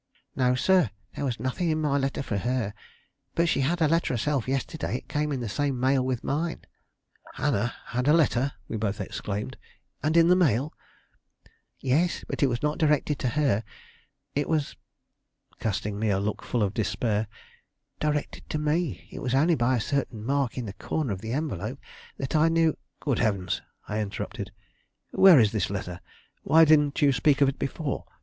"No, sir. There was nothing in my letter for her; but she had a letter herself yesterday. It came in the same mail with mine." "Hannah had a letter!" we both exclaimed; "and in the mail?" "Yes; but it was not directed to her. It was" casting me a look full of despair, "directed to me. It was only by a certain mark in the corner of the envelope that I knew " "Good heaven!" I interrupted; "where is this letter? Why didn't you speak of it before?